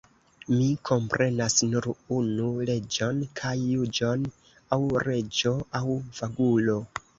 Mi komprenas nur unu leĝon kaj juĝon: aŭ reĝo aŭ vagulo!